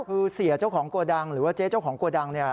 คือเสียเจ้าของโกดังหรือว่าเจ๊เจ้าของโกดังเนี่ย